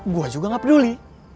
gue juga nggak peduli